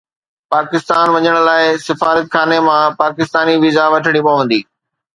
پاڪستان وڃڻ لاءِ سفارتخاني مان پاڪستاني ويزا وٺڻي پوندي